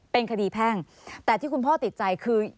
เป็นคดีแพ่งแต่ที่คุณพ่อติดใจคือ